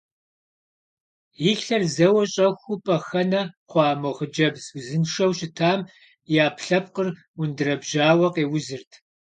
И лъэр зэуэ щӏэхуу пӏэхэнэ хъуа мо хъыджэбз узыншэу щытам и ӏэпкълъэпкъыр ундэрэбжьауэ къеузырт.